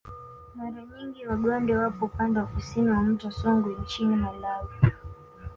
Mara nyingi Wagonde wapo upande wa kusini wa mto Songwe nchini Malawi